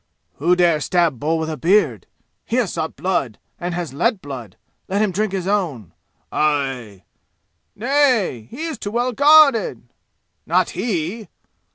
"Who dare stab Bull with a beard? He has sought blood and has let blood. Let him drink his own." "Aye!" "Nay! He is too well guarded." "Not he!"